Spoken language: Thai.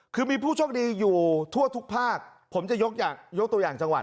คือมีผู้โชคดีอยู่ทั่วทุกภาคผมจะยกตัวอย่างจังหวัด